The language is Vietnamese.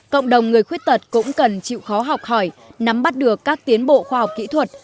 cộng đồng người khuyết tật cũng cần chịu khó học hỏi nắm bắt được các tiến bộ khoa học kỹ thuật